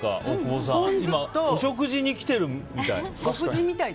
お食事に来てるみたい。